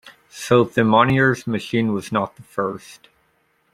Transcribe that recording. So Thimonnier's machine was not the first.